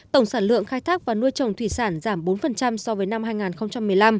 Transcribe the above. tổng sản lượng khai thác và nuôi trồng thủy sản giảm bốn so với năm hai nghìn một mươi năm